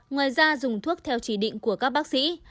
ngoài ra dùng thuốc theo chỉ định của các bác sĩ